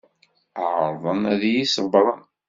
Ɛerḍen ad iyi-ṣebbren.